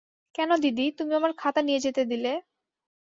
কেন, দিদি, তুমি আমার খাতা নিয়ে যেতে দিলে?